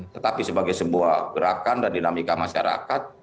tetapi sebagai sebuah gerakan dan dinamika masyarakat